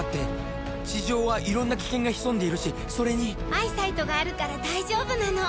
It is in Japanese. アイサイトがあるから大丈夫なの！